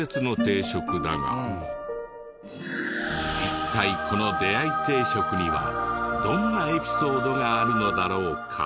一体この出会い定食にはどんなエピソードがあるのだろうか？